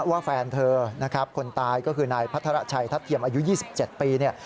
ว่าแฟนเธอคนตายก็คือนายพัฒนาชัยทัพเทียมอายุ๒๗ปี